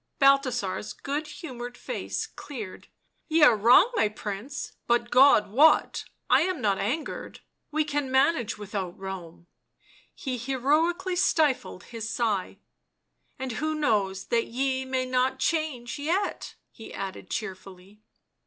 Balthasar's gooddiumoureB face cleared. " Ye are wrong, my Prince ; but God wot, I am not angered— we can manage without Rome "— he heroically stifled his sigh —" and who knows that ye may not change yet?" he added cheerfully.